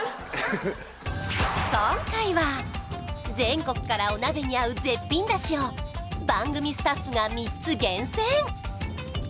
今回は全国からお鍋に合う絶品出汁を番組スタッフが３つ厳選！